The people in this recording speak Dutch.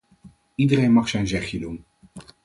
Iedereen mag zijn zegje doen.